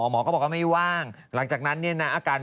หมอก็บอกไม่ว่างหลังจากนั้นอาการ